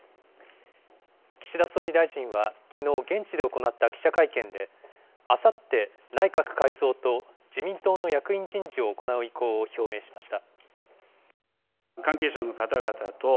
岸田総理大臣はきのう、現地で行った記者会見で、あさって、内閣改造と自民党の役員人事を行う意向を表明しました。